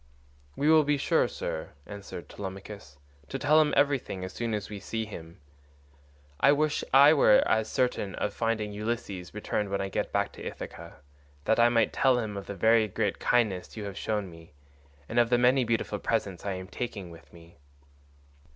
"We will be sure, sir," answered Telemachus, "to tell him everything as soon as we see him. I wish I were as certain of finding Ulysses returned when I get back to Ithaca, that I might tell him of the very great kindness you have shown me and of the many beautiful presents I am taking with me."